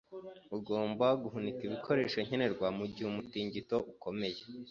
Ugomba guhunika ibikoresho nkenerwa mugihe umutingito ukomeye.